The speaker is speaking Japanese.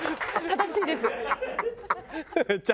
正しいです。